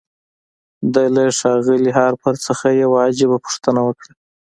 ده له ښاغلي هارپر نه يوه عجيبه پوښتنه وکړه.